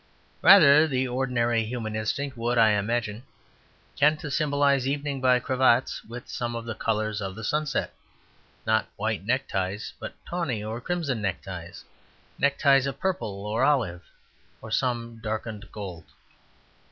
Rather, the ordinary human instinct would, I imagine, tend to symbolize evening by cravats with some of the colours of the sunset, not white neckties, but tawny or crimson neckties neckties of purple or olive, or some darkened gold.